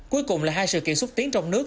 cuối cùng là hai sự kiện xúc tiến trong nước